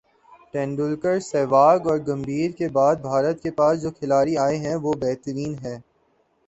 ٹنڈولکر ، سہواگ اور گمبھیر کے بعد بھارت کے پاس جو کھلاڑی آئے ہیں وہ بہترین ہیں